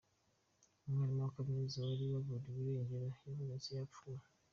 Umwarimu wa Kaminuza wari waburiwe irengero yabonetse yapfuye